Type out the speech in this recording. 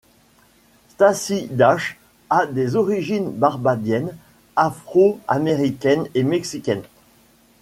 Stacy Dash a des origines barbadienne, afro-américaine et mexicaine.